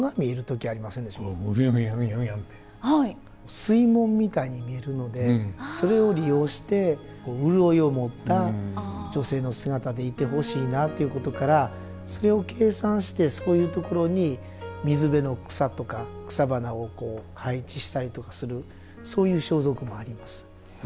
水紋みたいに見えるのでそれを利用して潤いを持った女性の姿でいてほしいなということからそれを計算してそういうところに水辺の草とか草花をこう配置したりとかするそういう装束もあります。